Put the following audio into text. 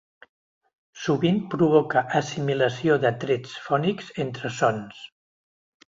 Sovint provoca assimilació de trets fònics entre sons.